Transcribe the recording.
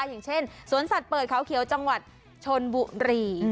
อย่างเช่นสวนสัตว์เปิดเขาเขียวจังหวัดชนบุรี